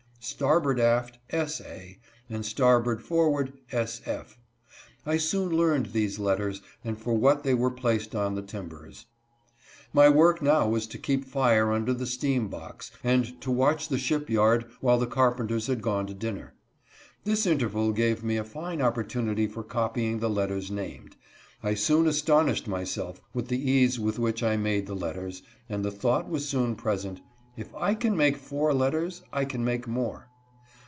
starboard aft, " S. A." ; and starboard forward, " S. F." I soon learned these letters, and for what they were placed on the timbers. My work now was to keep fire under the steam box, and to watch the ship yard while the carpenters had gone to dinner. This interval gave me a fine opportunity for copying the letters named. I soon astonished myself with the ease with which I made the letters, and the thought was soon present, " If I can make four letters I can make more."